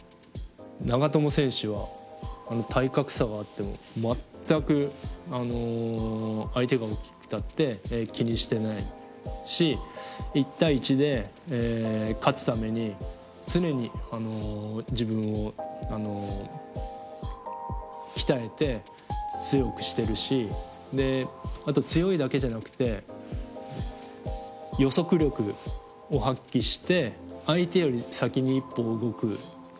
長友選手は体格差があっても全く相手が大きくたって気にしてないし１対１で勝つために常に自分を鍛えて強くしてるしあと強いだけじゃなくて予測力を発揮して相手より先に一歩を動くこと。